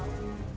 gak tau ya